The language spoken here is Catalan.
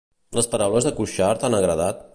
Les paraules de Cuixart han agradat?